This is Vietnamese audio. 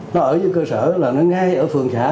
nó ở trên cơ sở là nó ngay ở phường xã